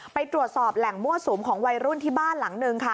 ไปตรวจสอบแหล่งมั่วสุมของวัยรุ่นที่บ้านหลังนึงค่ะ